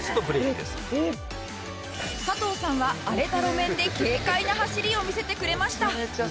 佐藤さんは荒れた路面で軽快な走りを見せてくれました